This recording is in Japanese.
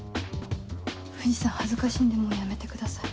藤さん恥ずかしいんでもうやめてください。